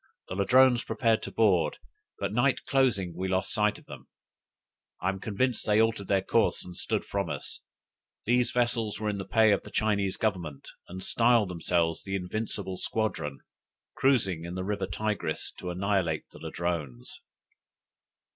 The Ladrones prepared to board; but night closing we lost sight of them: I am convinced they altered their course and stood from us. These vessels were in the pay of the Chinese Government, and styled themselves the Invincible Squadron, cruising in the river Tigris to annihilate the Ladrones!